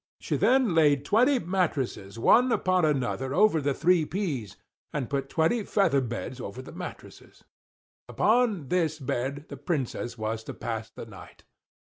She then laid twenty mattresses one upon another over the three peas, and put twenty feather beds over the mattresses. Upon this bed the Princess was to pass the night.